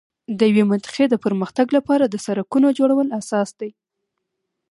د یوې منطقې د پر مختګ لپاره د سړکونو جوړول اساس دی.